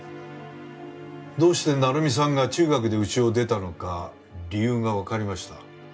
どうして成美さんが中学で家を出たのか理由がわかりました。